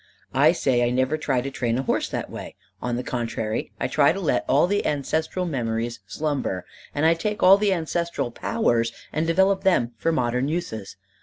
I say I never try to train a horse that way. On the contrary I try to let all the ancestral memories slumber, and I take all the ancestral powers and develop them for modern uses.